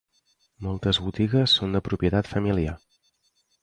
Moltes botigues són de propietat familiar.